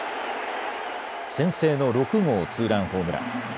先制の６号ツーランホームラン。